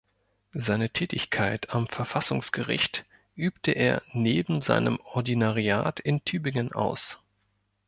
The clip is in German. Seine Tätigkeit am Verfassungsgericht übte er neben seinem Ordinariat in Tübingen aus.